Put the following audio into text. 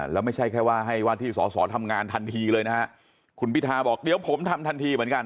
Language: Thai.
แล้วไม่ใช่แค่ว่าให้ว่าที่สอสอทำงานทันทีเลยนะฮะคุณพิทาบอกเดี๋ยวผมทำทันทีเหมือนกัน